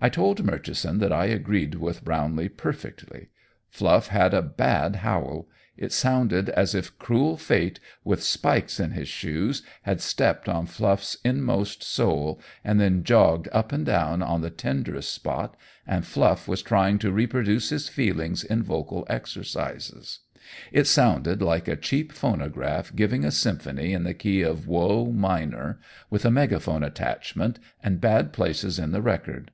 I told Murchison that I agreed with Brownlee perfectly. Fluff had a bad howl. It sounded as if Cruel Fate, with spikes in his shoes, had stepped on Fluff's inmost soul, and then jogged up and down on the tenderest spot, and Fluff was trying to reproduce his feelings in vocal exercises. It sounded like a cheap phonograph giving a symphony in the key of woe minor, with a megaphone attachment and bad places in the record.